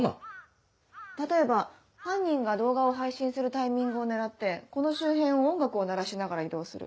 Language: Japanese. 例えば犯人が動画を配信するタイミングを狙ってこの周辺を音楽を鳴らしながら移動する。